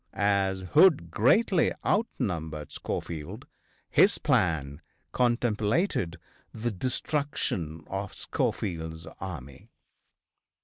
As Hood greatly outnumbered Schofield, his plan contemplated the destruction of Schofield's army.